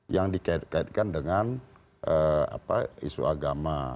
yang dikaitkan dengan isu agama